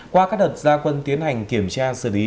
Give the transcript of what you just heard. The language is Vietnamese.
qua các đợt gia quân tiến hành kiểm tra xử lý